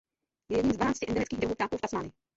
Je jedním z dvanácti endemických druhů ptáků v Tasmánii.